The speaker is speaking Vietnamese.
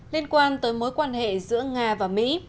liên quan tới mối quan hệ giữa nga và mỹ